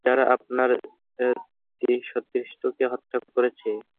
যারা আপনার সতীর্থকে হত্যা করেছে।